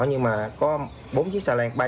nhưng mà có bốn chiếc xe lạc